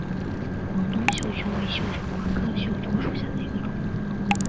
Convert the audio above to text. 广东绣球为绣球花科绣球属下的一个种。